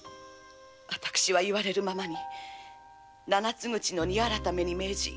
わたくしは言われるままに七っ口の「荷改め」に命じて